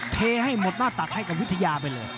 เทให้หมดหน้าตักให้กับวิทยาไปเลย